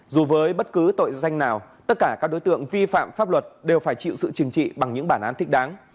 dù với bất cứ tội danh nào tất cả các đối tượng vi phạm pháp luật đều phải chịu sự chừng trị bằng những bản án thích đáng